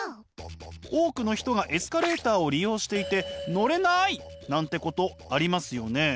多くの人がエスカレーターを利用していて乗れない！なんてことありますよね？